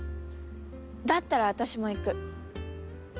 だったら私も行く。